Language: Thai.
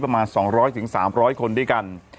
ประมาณ๒๐๐๓๐๐คนด้วยกัน